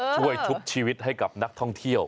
ชุบชีวิตให้กับนักท่องเที่ยว